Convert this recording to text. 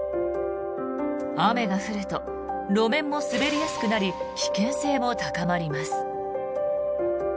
雨が降ると路面も滑りやすくなり危険性も高まります。